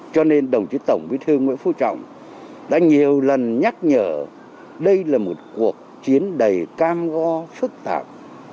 cho nên đồng chí tổng bí thư nguyễn phú trọng đã nhiều lần nhắc nhở đây là một cuộc chiến đầy cam go phức tạp